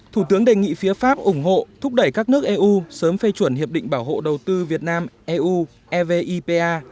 thủ tướng đề nghị phía pháp ủng hộ thúc đẩy các nước eu sớm phê chuẩn hiệp định bảo hộ đầu tư việt nam eu evipa